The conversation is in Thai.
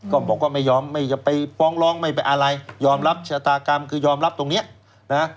ก็บอกว่าไม่ยอมไม่ไปฟ้องร้องไม่ไปอะไรยอมรับชะตากรรมคือยอมรับตรงเนี้ยนะ